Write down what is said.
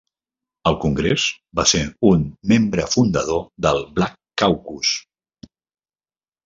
Al Congrés, va ser un membre fundador del Black Caucus.